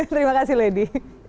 terima kasih lady